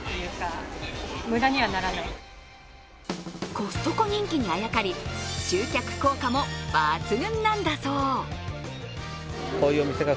コストコ人気にあやかり集客効果も抜群なんだそう。